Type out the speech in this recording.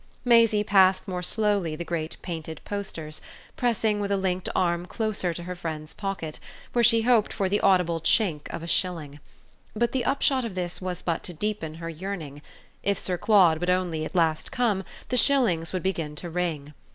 Maisie passed more slowly the great painted posters, pressing with a linked arm closer to her friend's pocket, where she hoped for the audible chink of a shilling. But the upshot of this was but to deepen her yearning: if Sir Claude would only at last come the shillings would begin to ring.